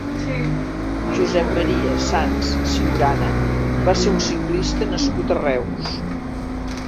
Josep Maria Sans Ciurana va ser un ciclista nascut a Reus.